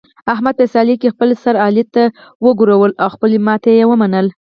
احمد په سیالۍ کې خپل سر علي ته وګرولو، خپله ماتې یې و منله.